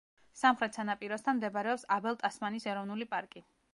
სამხრეთ სანაპიროსთან მდებარეობს აბელ ტასმანის ეროვნული პარკი.